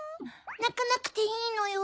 なかなくていいのよ。